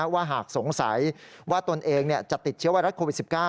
ว่าหากสงสัยว่าตนเองจะติดเชื้อไวรัสโควิด๑๙